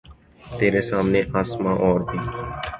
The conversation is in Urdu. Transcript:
ترے سامنے آسماں اور بھی